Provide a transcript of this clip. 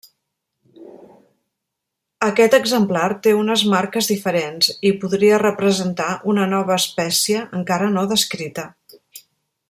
Aquest exemplar té unes marques diferents i podria representar una nova espècie encara no descrita.